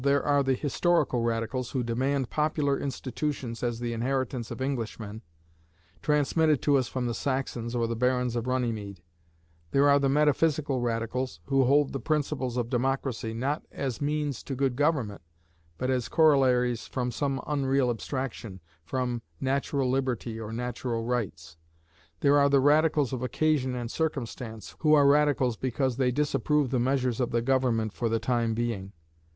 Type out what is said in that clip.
"There are the historical Radicals, who demand popular institutions as the inheritance of Englishmen, transmitted to us from the Saxons or the barons of Runnymede. There are the metaphysical Radicals, who hold the principles of democracy, not as means to good government, but as corollaries from some unreal abstraction, from 'natural liberty' or 'natural rights.' There are the radicals of occasion and circumstance, who are radicals because they disapprove the measures of the government for the time being.